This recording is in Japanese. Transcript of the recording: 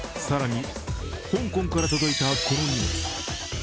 更に香港から届いた、この荷物。